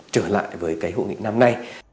trở lại với cái hội nghị năm nay